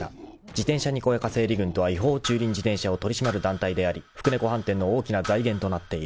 ［自転車にこやか整理軍とは違法駐輪自転車を取り締まる団体であり福猫飯店の大きな財源となっている］